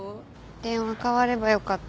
電話かわればよかったのに。